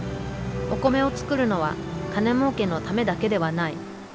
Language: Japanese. お米を作るのは金もうけのためだけではない。